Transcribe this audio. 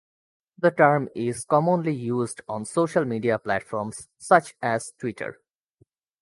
The term is commonly used on social media platforms such as Twitter.